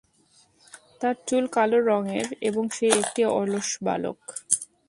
তার চুল কালো রঙের এবং সে একটি অলস বালক।